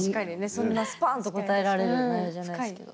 そんなスパンと答えられるお題じゃないですけど。